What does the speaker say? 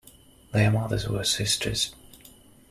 Their mothers were sisters.